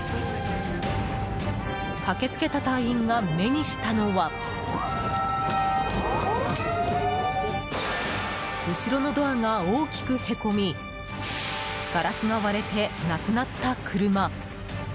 駆けつけた隊員が目にしたのは後ろのドアが大きくへこみガラスが割れて、なくなった車。